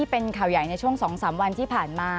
ขอบคุณครับ